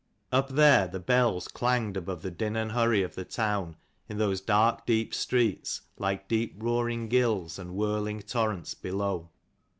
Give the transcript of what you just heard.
Up there the bells clanged above the din and hurry of the town in those dark deep streets, like deep roaring gills and whirling torrents below.